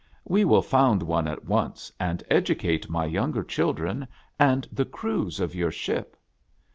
We will found one at once, and educate my younger children, and the crews of your ship."